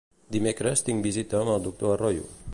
Dimecres tinc visita amb el doctor Arroyo.